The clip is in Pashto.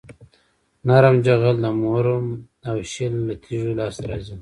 نرم جغل د مورم او شیل له تیږو لاسته راځي